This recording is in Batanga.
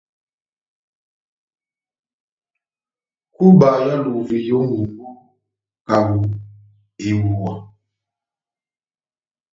Kúba éhálovi ó ŋʼhombó kaho kaho ehuwa .